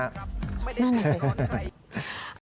นั่นสิ